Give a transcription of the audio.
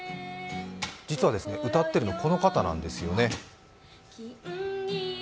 実は歌ってるの、この方なんですよね。